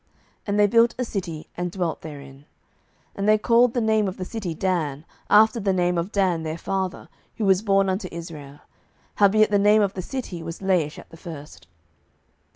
And they built a city, and dwelt therein. 07:018:029 And they called the name of the city Dan, after the name of Dan their father, who was born unto Israel: howbeit the name of the city was Laish at the first.